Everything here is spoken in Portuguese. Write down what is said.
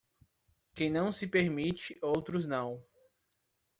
Quem não se permite, outros não.